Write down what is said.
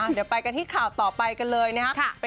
เดี๋ยวไปกันที่ข่าวต่อไปกันเลยนะครับ